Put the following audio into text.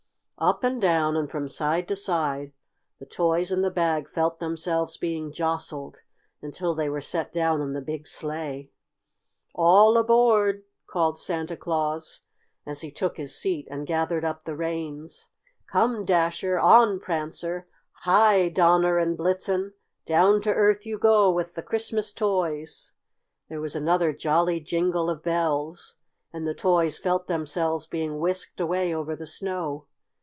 Up and down, and from side to side the toys in the bag felt themselves being jostled, until they were set down in the big sleigh. "All aboard!" called Santa Claus, as he took his seat and gathered up the reins. "Come, Dasher! On, Prancer! Hi, Donner and Blitzen! Down to Earth you go with the Christmas toys!" There was another jolly jingle of bells, and the toys felt themselves being whisked away over the snow.